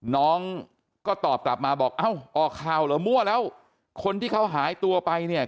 น้องก็ตอบกลับมาบอกเอ้าออกข่าวเหรอมั่วแล้วคนที่เขาหายตัวไปเนี่ย